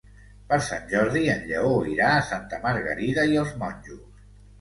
Per Sant Jordi en Lleó irà a Santa Margarida i els Monjos.